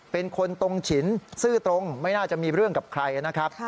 เป็นคนตรงฉินซื่อตรงไม่น่าจะมีเรื่องกับใครนะครับ